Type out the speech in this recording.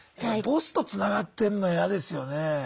ボスとつながってんの嫌ですよねえ。